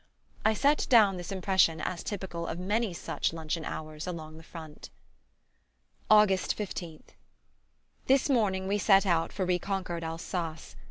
I set down this impression as typical of many such luncheon hours along the front... August 15th. This morning we set out for reconquered Alsace.